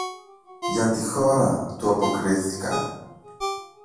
Για τη χώρα, του αποκρίθηκαν.